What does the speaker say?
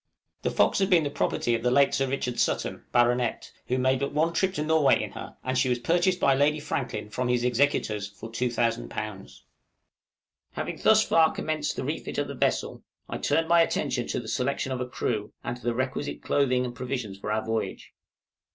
The 'Fox' had been the property of the late Sir Richard Sutton, Bart., who made but one trip to Norway in her, and she was purchased by Lady Franklin from his executors for 2000_l._ Having thus far commenced the refit of the vessel, I turned my attention to the selection of a crew and to the requisite clothing and provisions for our voyage.